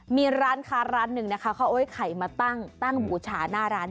มีร้านค้าร้านหนึ่งนะคะเขาเอาไอ้ไข่มาตั้งบูชาหน้าร้าน